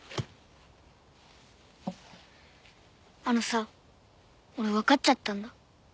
あのさ俺分かっちゃったんだ